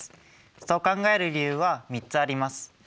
そう考える理由は３つあります。